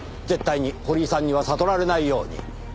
絶対に堀井さんには悟られないように。